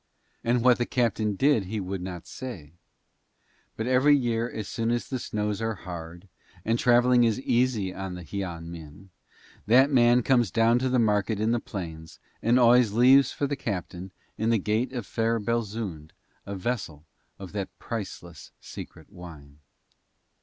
And what the captain did he would not say, but every year as soon as the snows are hard, and travelling is easy on the Hian Min, that man comes down to the market in the plains, and always leaves for the captain in the gate of fair Belzoond a vessel of that priceless secret wine.